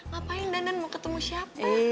ngapain danan mau ketemu siapa